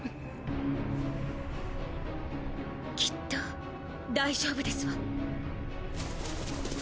きっと大丈夫ですわ。